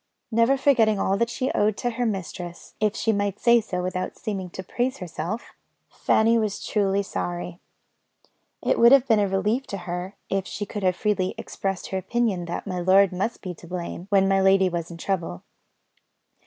Never forgetting all that she owed to her mistress if she might say so without seeming to praise herself Fanny was truly sorry. It would have been a relief to her, if she could have freely expressed her opinion that my lord must be to blame, when my lady was in trouble.